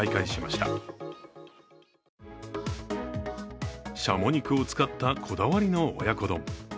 しゃも肉を使ったこだわりの親子丼。